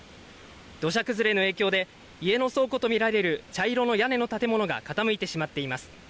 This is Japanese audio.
土砂崩れの影響で家の倉庫と見られる茶色の屋根の建物が傾いてしまっています。